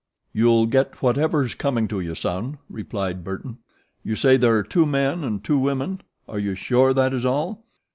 "You'll get whatever's coming to you, son," replied Burton. "You say there are two men and two women are you sure that is all?"